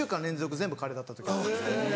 全部カレーだった時も。